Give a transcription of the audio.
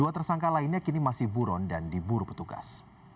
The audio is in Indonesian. dua tersangka lainnya kini masih buron dan diburu petugas